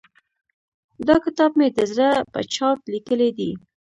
دا کتاب مې د زړه په چاود ليکلی دی.